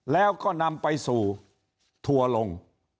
แล้วก็นำไปสู่ทัวร์ลง